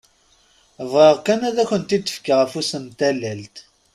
Bɣiɣ kan ad akent-d-fkeɣ afus n tallalt!